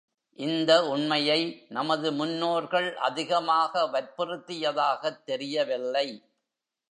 இந்த உண்மையை நமது முன்னோர்கள் அதிகமாக வற்புறுத்தியதாகத் தெரியவில்லை.